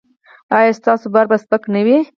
ایا ستاسو بار به سپک نه وي؟